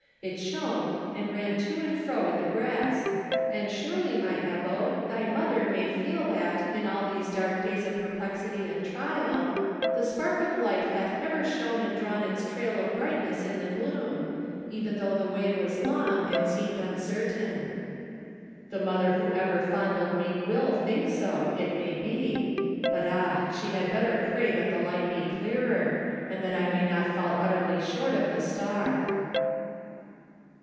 It shone and ran to and fro in the grass. And surely, my Ebbo, thy mother may feel that, in all these dark days of perplexity and trial, the spark of light hath ever shone and drawn its trail of brightness in the gloom, even though the way was long, and seemed uncertain." "The mother who ever fondled me will think so, it may be! But, ah! she had better pray that the light be clearer, and that I may not fall utterly short of the star!"